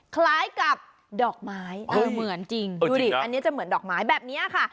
คล้ายกับดอกไม้เออเหมือนจริงดูดิอันนี้จะเหมือนดอกไม้แบบนี้ค่ะ